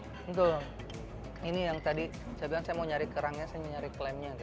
betul ini yang tadi saya bilang saya mau nyari kerangnya saya nyari klaimnya